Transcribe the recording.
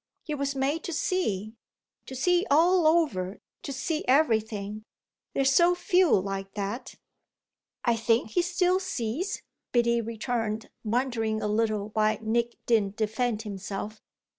He was made to see to see all over, to see everything. There are so few like that." "I think he still sees," Biddy returned, wondering a little why Nick didn't defend himself.